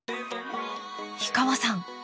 氷川さん